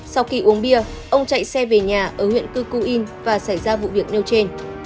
sau khi uống bia ông chạy xe về nhà ở huyện cư cu yên và xảy ra vụ việc nêu trên